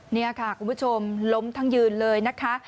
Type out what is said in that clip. นี่ค่ะคุณผู้ชมล้มทั้งยืนเลยนะคะ